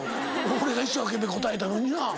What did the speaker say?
俺が一生懸命答えたのにな。